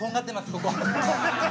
ここ。